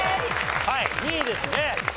はい２位ですね。